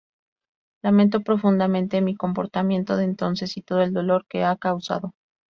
Lamento profundamente mi comportamiento de entonces y todo el dolor que ha causado".